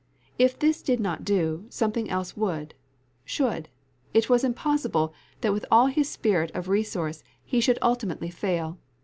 If this did not do, something else would should. It was impossible that with all his spirit of resource he should ultimately fail.